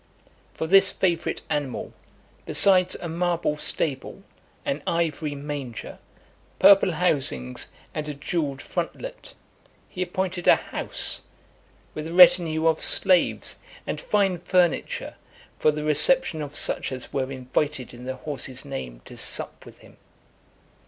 For this favourite animal, besides a marble stable, an ivory manger, purple housings, and a jewelled frontlet, he appointed a house, with a retinue of slaves, and fine furniture, for the reception of such as were invited in the horse's name to sup with him.